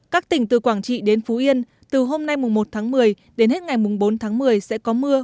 các tỉnh từ quảng trị đến phú yên từ hôm nay một tháng một mươi đến hết ngày mùng bốn tháng một mươi sẽ có mưa